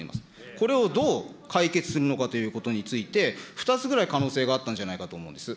これをどう解決するのかということについて、２つぐらい可能性があったんじゃないかと思います。